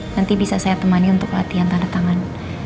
nanti bisa saya temani untuk latihan tanda tangan